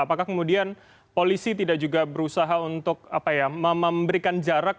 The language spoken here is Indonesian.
apakah kemudian polisi tidak juga berusaha untuk memberikan jarak